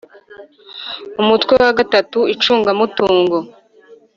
umutwe wa gatanu icungamutungo